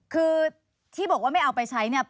คือที่บอกว่าไม่เอาไปใช้เนี่ย